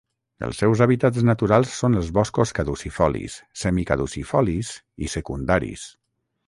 Els seus hàbitats naturals són els boscos caducifolis, semicaducifolis i secundaris.